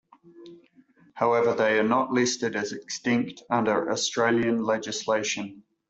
However they are not listed as extinct under Australian legislation.